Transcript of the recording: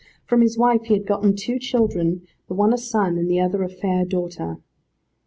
From his wife he had gotten two children, the one a son and the other a fair daughter.